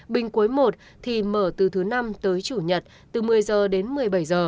bình quấy một thì mở từ thứ năm tới chủ nhật từ một mươi h đến một mươi bảy h